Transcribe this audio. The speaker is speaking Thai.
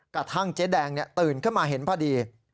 กระทั่งเจ๊แดงตื่นขึ้นมาเห็นพอดี